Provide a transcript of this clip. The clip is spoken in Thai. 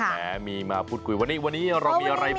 แหมมีมาพูดคุยวันนี้วันนี้เรามีอะไรบ้าง